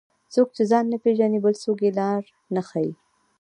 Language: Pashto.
څوک چې ځان نه پیژني، بل څوک یې لار نه ښيي.